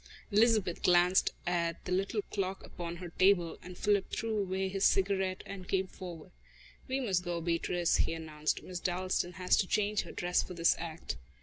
Elizabeth glanced at the little clock upon her table, and Philip threw away his cigarette and came forward. "We must go, Beatrice," he announced. "Miss Dalstan has to change her dress for this act."